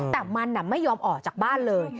แต่มันไม่ยอมออกจากบ้านเลย